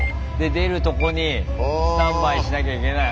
出るとこにスタンバイしなきゃいけない。